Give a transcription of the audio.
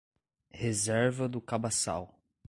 Reserva do Cabaçal